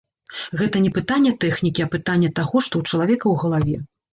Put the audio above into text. Гэта не пытанне тэхнікі, а пытанне таго, што ў чалавека ў галаве.